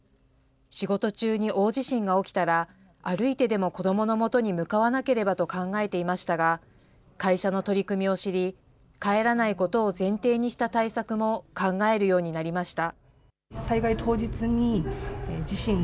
仕事中に大地震が起きたら、歩いてでも子どものもとに向かわなければと考えていましたが、会社の取り組みを知り、帰らないことを前提にした対策も考えるようになりました。